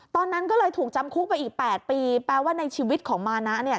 ตอนนั้นก็เลยถูกจำคุกไปอีก๘ปีแปลว่าในชีวิตของมานะเนี่ย